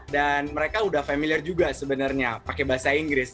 dan mereka udah familiar juga sebenarnya pakai bahasa inggris